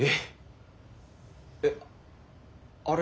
ええっあれ。